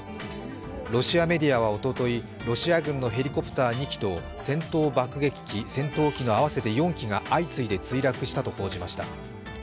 ロシアメディアはおととい、ロシア軍のヘリコプター２機と戦闘爆撃機、戦闘機の合わせて４機が相次いで墜落したと報じました。